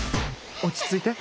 落ち着いて。